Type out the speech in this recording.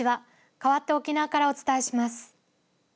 かわって沖縄からお伝えします。